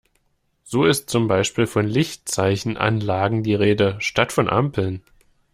So ist zum Beispiel von Lichtzeichenanlagen die Rede, statt von Ampeln.